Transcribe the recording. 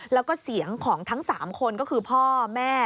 แล้วก็เสียงของทั้ง๓คนก็คือพ่อแม่